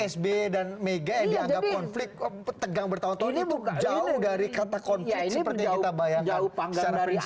sby dan mega yang dianggap konflik tegang bertahun tahun itu jauh dari kata konflik seperti yang kita bayangkan secara prinsip